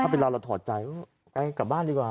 เป็นเราเราถอดใจกลับบ้านดีกว่า